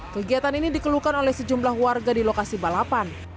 kegiatan ini dikeluhkan oleh sejumlah warga di lokasi balapan